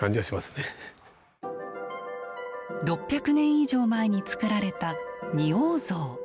６００年以上前に作られた仁王像。